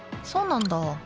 そうなんだ。